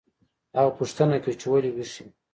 هغه پوښتنه کوي چې ولې ویښ یم